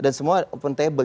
dan semua open table